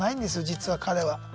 実は彼は。